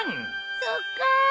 そっかあ。